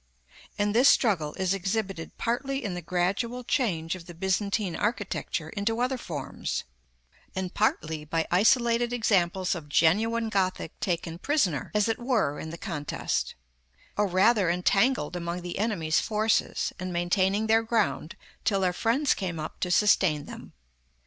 And this struggle is exhibited partly in the gradual change of the Byzantine architecture into other forms, and partly by isolated examples of genuine Gothic taken prisoner, as it were, in the contest; or rather entangled among the enemy's forces, and maintaining their ground till their friends came up to sustain them.